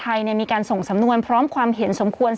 ผู้ต้องหาที่ขับขี่รถจากอายานยนต์บิ๊กไบท์